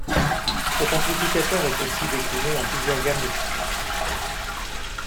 Cette amplificateur est aussi décliné en plusieurs gammes de puissances.